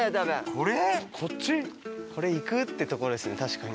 これ行く？って所ですね確かに。